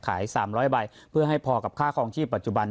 ขาย๓๐๐ใบเพื่อให้พอกับค่าคลองชีพปัจจุบัน